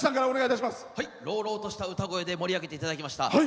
朗々とした歌声で盛り上げていただきました。